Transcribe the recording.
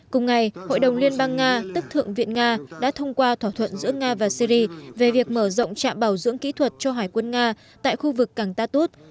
cùng ngày hội đồng liên bang nga tức thượng viện nga đã thông qua thỏa thuận giữa nga và syri về việc mở rộng trạm bảo dưỡng kỹ thuật cho hải quân nga tại khu vực cảng tatut